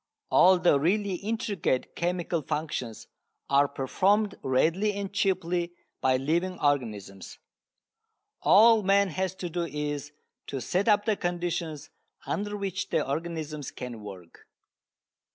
All the really intricate chemical functions are performed readily and cheaply by living organisms. All man has to do is to set up the conditions under which the organisms can work.